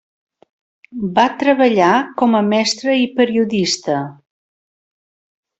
Va treballar com a mestre i periodista.